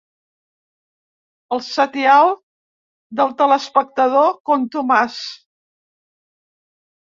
El setial del teleespectador contumaç.